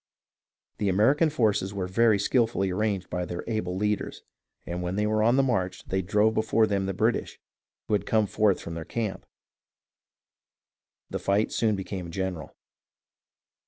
The American forces were very skilfully arranged by their able leaders, and when they were on the march they drove before them the British, who had come forth from their camp. The fight soon became general.